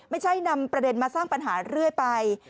ไม่ใช่นำประเด็นมาสร้างปัญหาเรื่อยไป